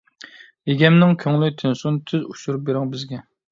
ئىگەمنىڭ كۆڭلى تىنسۇن، تىز ئۇچۇر بىرىڭ بىزگە.